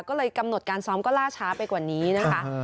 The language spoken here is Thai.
ก็เลยกำหนดการซ้อมก็ล่าช้าไปกว่านี้นะคะ